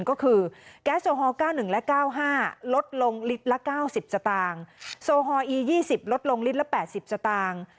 ก็คือแก๊สโซฮอล์เก้าหนึ่งและเก้าห้าลดลงลิตรละเก้าสิบสตางค์โซฮอล์อียี่สิบลดลงลิตรละแปดสิบสตางค์